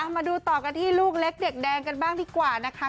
มาดูต่อกันที่ลูกเล็กเด็กแดงกันบ้างดีกว่านะคะ